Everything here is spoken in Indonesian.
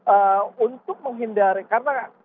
ee untuk menghindari karena